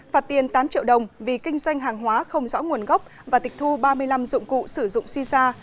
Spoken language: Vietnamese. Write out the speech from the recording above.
phạt tiền tám triệu đồng vì kinh doanh hàng hóa không rõ nguồn gốc và tịch thu ba mươi năm dụng cụ sử dụng si sa